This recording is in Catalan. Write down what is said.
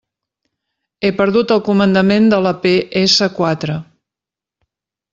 He perdut el comandament de la pe essa quatre.